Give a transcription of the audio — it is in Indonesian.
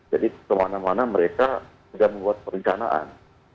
jadi kemana mana mereka sudah membuat perencanaan